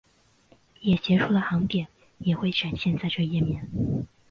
也结束的航点也会展示在这页面。